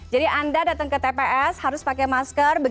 jadi anda datang ke tps harus pakai masker